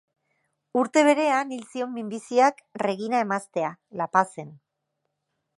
Urte berean hil zion minbiziak Regina emaztea, La Pazen.